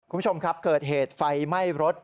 คุณผู้ชมครับเกิดเหตุไฟไหม้รถ